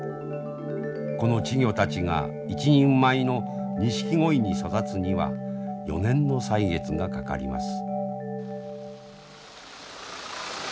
この稚魚たちが一人前のニシキゴイに育つには４年の歳月がかかります。